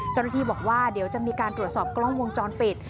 เจ้าหน้าที่บอกว่าเดี๋ยวจะมีการตรวจสอบกล้องวงจรปิด